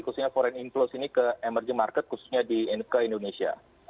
khususnya foreign inflows ini ke emerging market khususnya ke indonesia